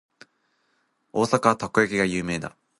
大阪はたこ焼きが有名だ。